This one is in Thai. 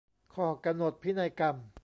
ข้อกำหนดพินัยกรรม